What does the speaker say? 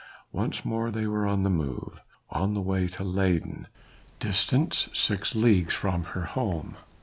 Once more they were on the move; on the way to Leyden distant six leagues from her home.